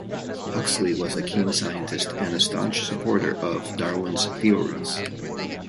Huxley was a keen scientist and a staunch supporter of Darwin's theories.